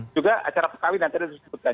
juga acara perkawinan tadi sudah disebutkan